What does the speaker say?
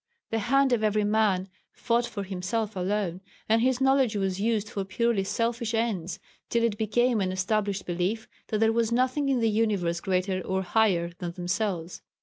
The hand of every man fought for himself alone, and his knowledge was used for purely selfish ends, till it became an established belief that there was nothing in the universe greater or higher than themselves.